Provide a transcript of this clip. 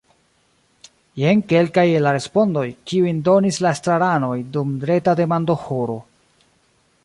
Jen kelkaj el la respondoj, kiujn donis la estraranoj dum reta demandohoro.